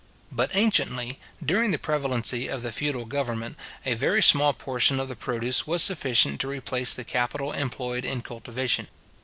But anciently, during the prevalency of the feudal government, a very small portion of the produce was sufficient to replace the capital employed in cultivation.